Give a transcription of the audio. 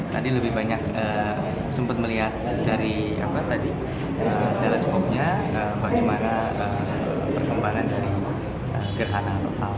tadi lebih banyak sempat melihat dari teleskopnya bagaimana perkembangan dari gerhana lokal